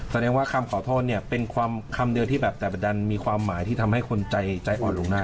แสดงว่าคำขอโทษเนี่ยเป็นคำเดียวที่แบบแต่ดันมีความหมายที่ทำให้คนใจอ่อนลงได้